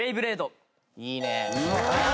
いいね。